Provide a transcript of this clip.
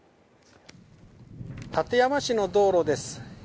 館山市の道路です。